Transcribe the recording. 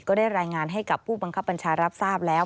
ก็ได้รายงานให้กับผู้บังคับบัญชารับทราบแล้ว